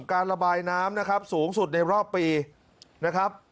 การระบายน้ำนะครับสูงสุดในรอบปีนะครับ